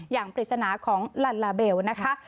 อย่างปริศนาของลาลาเบลนะคะ